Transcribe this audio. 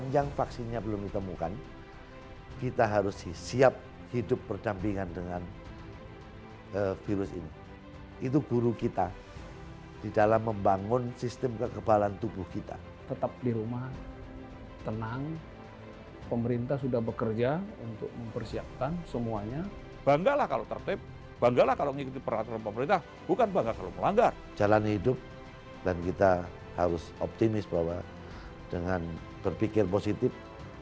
dan kita harus optimis bahwa dengan berpikir positif